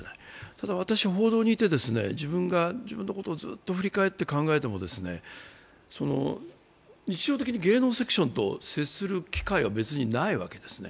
ただ、私は報道にいて自分のことをずっと振り返って考えても、日常的に芸能セクションと接する機会は別にないわけですね。